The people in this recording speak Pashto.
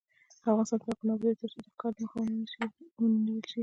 افغانستان تر هغو نه ابادیږي، ترڅو د ښکار مخه ونیول نشي.